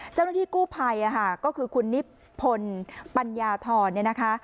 เจ้าหน้าที่กู้ภัยก็คือคุณนิพพลปัญญาธรเนี่ยนะคะ